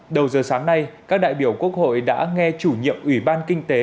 đầu giờ sáng nay các đại biểu quốc hội đã nghe chủ nhiệm ủy ban kinh tế